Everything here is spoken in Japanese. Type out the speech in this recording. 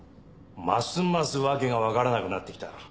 ますますわけがわからなくなってきた。